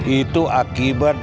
iya ini ngeresek